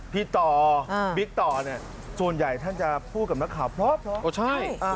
พี่ต่อบิ๊กต่อส่วนใหญ่ท่านจะพูดกับนักข่าวพร้อม